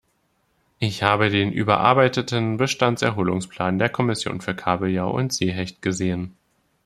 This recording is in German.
Ich habe den überarbeiteten Bestandserholungsplan der Kommission für Kabeljau und Seehecht gesehen.